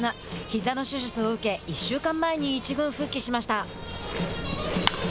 ひざの手術を受け１週間前に１軍復帰しました。